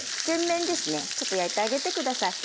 ちょっと焼いてあげて下さい。